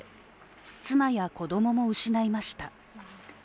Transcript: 妻や子供も失いました。